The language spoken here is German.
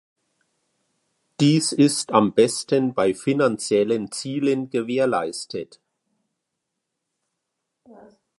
Dies ist am besten bei finanziellen Zielen gewährleistet.